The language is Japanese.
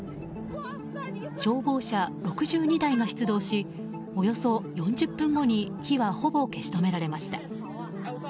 消防車６２台が出動しおよそ４０分後に火はほぼ消し止められました。